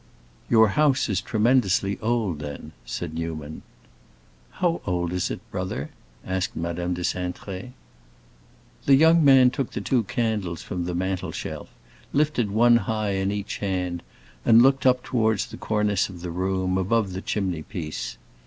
"Your house is tremendously old, then," said Newman. "How old is it, brother?" asked Madame de Cintré. The young man took the two candles from the mantel shelf, lifted one high in each hand, and looked up toward the cornice of the room, above the chimney piece.